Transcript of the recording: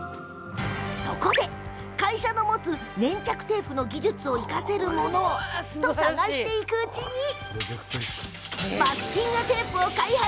そこで、会社の持つ粘着テープの技術を生かせるものを探していくうちにマスキングテープを開発。